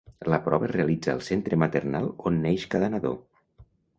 La prova es realitza al centre maternal on neix cada nadó.